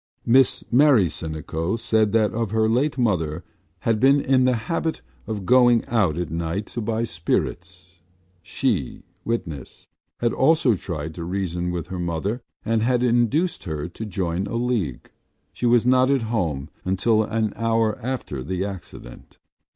Miss Mary Sinico said that of late her mother had been in the habit of going out at night to buy spirits. She, witness, had often tried to reason with her mother and had induced her to join a league. She was not at home until an hour after the accident.